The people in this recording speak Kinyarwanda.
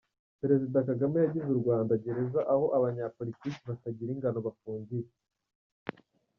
-Perezida Kagame yagize u Rwanda gereza aho abanyapolitiki batagira ingano bafungiye